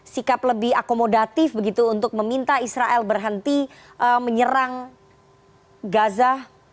sikap lebih akomodatif begitu untuk meminta israel berhenti menyerang gaza